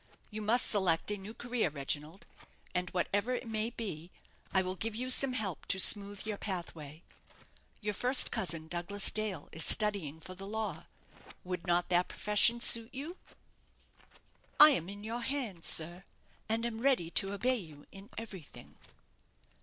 You must select a new career, Reginald; and whatever it may be, I will give you some help to smooth your pathway. Your first cousin, Douglas Dale, is studying for the law would not that profession suit you?" "I am in your hands, sir, and am ready to obey you in everything."